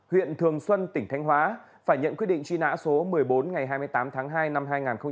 huyện thường xuân tỉnh thanh hóa phải nhận quyết định truy nã số một mươi bốn ngày hai mươi tám tháng hai năm hai nghìn một mươi